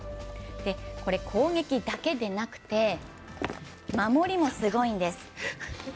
これ、攻撃だけでなくて守りもすごいんです。